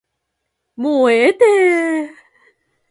もうええて